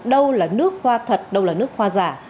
đâu là nước hoa thật đâu là nước hoa giả